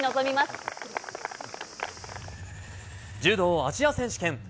柔道アジア選手権。